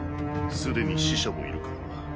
すでに死者もいるからな。